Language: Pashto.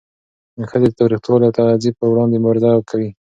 ښځې د تاوتریخوالي او تعذیب پر وړاندې مبارزه کوي.